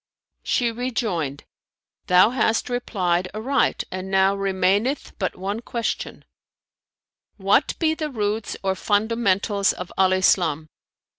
She rejoined, "Thou hast replied aright and now remaineth but one question, 'What be the roots or fundamentals of Al Islam?'"